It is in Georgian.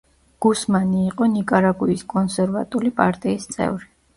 გუსმანი იყო ნიკარაგუის კონსერვატული პარტიის წევრი.